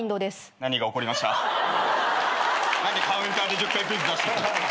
何でカウンターで１０回クイズ出してきてんの。